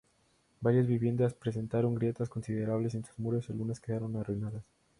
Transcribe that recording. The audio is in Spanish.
Varias viviendas presentaron grietas considerables en sus muros, y algunas quedaron arruinadas.